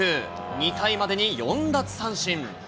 ２回までに４奪三振。